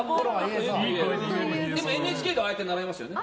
でもＮＨＫではああやって習いますよね？